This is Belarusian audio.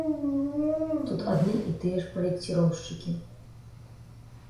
Тут адны і тыя ж праекціроўшчыкі.